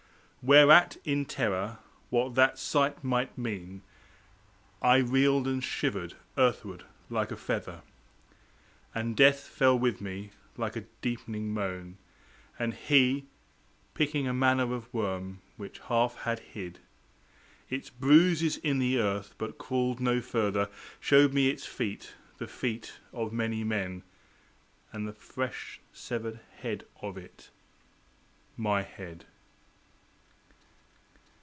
Whereat, in terror what that sight might mean, I reeled and shivered earthward like a feather. And Death fell with me, like a deepening moan. And He, picking a manner of worm, which half had hid Its bruises in the earth, but crawled no further, Showed me its feet, the feet of many men, And the fresh severed head of it, my head.